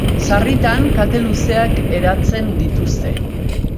Sarritan kate luzeak eratzen dituzte.